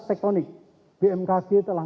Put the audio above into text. tektonik bmkg telah